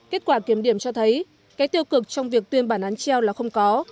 kết quả kiểm điểm cho thấy cái tiêu cực trong việc tuyên bản án treo là không có